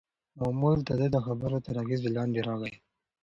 مامور د ده د خبرو تر اغېز لاندې راغی.